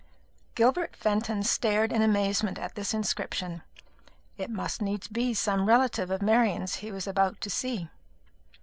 Gilbert Fenton stared in amazement at this inscription. It must needs be some relative of Marian's he was about to see.